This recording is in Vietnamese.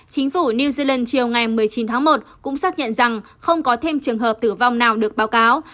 chính phủ new zealand chiều ngày một mươi chín tháng một cũng xác nhận rằng không có thêm trường hợp tử vong nào được báo cáo